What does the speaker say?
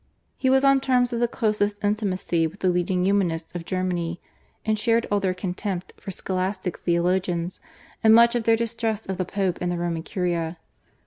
He was on terms of the closest intimacy with the leading Humanists of Germany, and shared all their contempt for scholastic theologians and much of their distrust of the Pope and the Roman Curia.